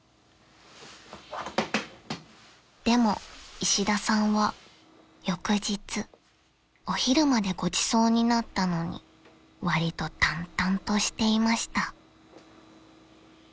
［でも石田さんは翌日お昼までごちそうになったのにわりと淡々としていました］